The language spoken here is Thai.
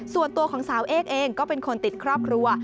ส่วนตัวของสาวเอกเองก็เป็นคนติดครอบครัว